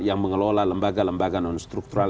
yang mengelola lembaga lembaga nonstruktural